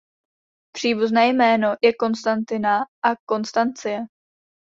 Příbuzné jméno je Konstantina a Konstancie.